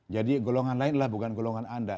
jadi golongan lain lah bukan golongan anda